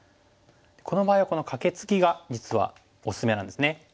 この場合はこのカケツギが実はおすすめなんですね。